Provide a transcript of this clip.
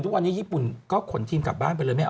ที่ที่สุดก็สร้างได้